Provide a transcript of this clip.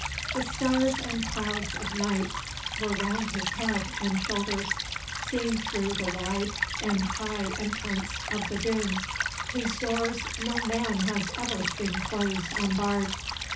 The stars and clouds of night were round his head and shoulders, seen through the wide and high entrance of the Dûn, whose doors no man has ever seen closed and barred.